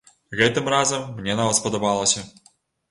Гэтым разам мне нават спадабалася.